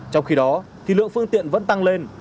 trong khi đó thì lượng phương tiện vẫn tăng lên